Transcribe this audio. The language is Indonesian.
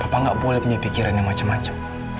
papa gak boleh punya pikiran yang macem macem